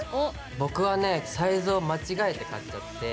僕はねサイズを間違えて買っちゃって。